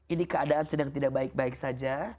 ini keadaan sedang tidak baik baik saja